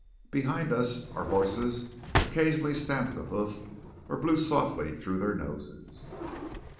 Behind us our horses occasionally stamped a hoof or blew softly through their noses.